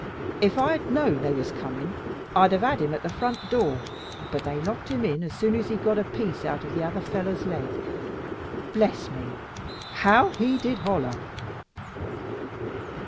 If I had known they was coming, I'd have had him at the front door, but they locked him in as soon as he got a piece out of the other fellow's leg. Bless me, how he did holloa!"